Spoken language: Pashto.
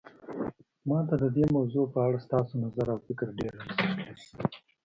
ما ته د دې موضوع په اړه ستاسو نظر او فکر ډیر ارزښت لري